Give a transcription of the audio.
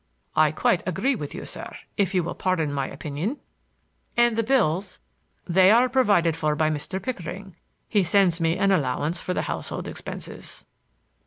"I quite agree with you, sir, if you will pardon my opinion." "And the bills—" "They are provided for by Mr. Pickering. He sends me an allowance for the household expenses."